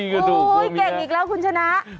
เก่งอีกแล้วคุณชนะ